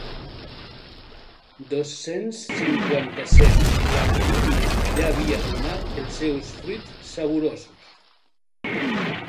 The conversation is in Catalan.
Dos-cents cinquanta-set l'acronímia ja havia donat els seus fruits saborosos.